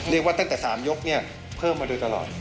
เรียกว่าตั้งแต่๓ยกเนี่ยเพิ่มมาด้วยตลอด